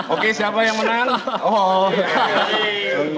oke siapa yang menang